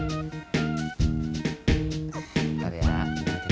bentar ya gue ngajakin dulu